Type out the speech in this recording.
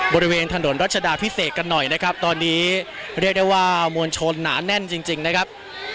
บริเวณถนนรัชดาพิเศษกันหน่อยนะครับตอนนี้เรียกได้ว่ามวลชนหนาแน่นจริงนะครับ